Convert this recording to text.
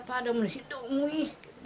padahal di situ wih